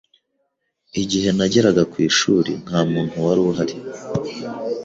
Igihe nageraga ku ishuri, nta muntu wari uhari.